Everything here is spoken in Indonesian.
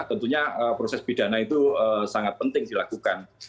tentunya proses pidana itu sangat penting dilakukan